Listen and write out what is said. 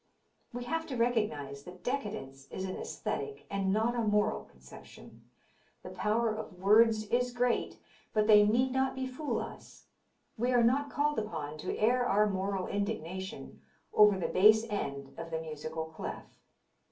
... We have to recognize that decadence is an aesthetic and not a moral conception. The power of words is great but they need not befool us. ... We are not called upon to air our moral indignation over the bass end of the musical clef."